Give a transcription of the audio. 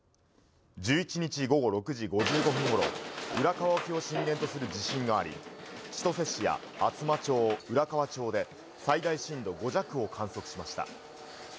１１日午後６時５５分ごろ、浦河沖を震源とする地震があり、千歳市や厚真町、浦河町で最大震度５弱を観測しました。